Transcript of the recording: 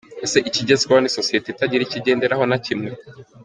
Ese ikigezweho ni sosiyete itagira icyo igenderaho na kimwe?.